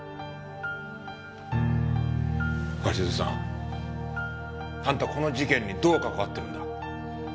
鷲頭さんあんたこの事件にどう関わってるんだ？